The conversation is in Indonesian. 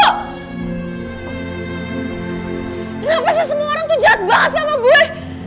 kenapa sih semua orang tuh jahat banget sama gue